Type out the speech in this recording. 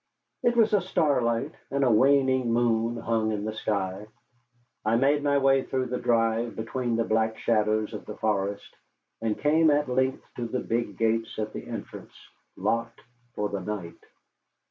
It was starlight, and a waning moon hung in the sky. I made my way through the drive between the black shadows of the forest, and came at length to the big gates at the entrance, locked for the night.